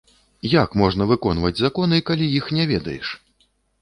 Як можна выконваць законы, калі іх не ведаеш?